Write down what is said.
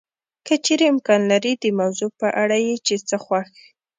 که چېرې امکان لري د موضوع په اړه یې چې څه خوښ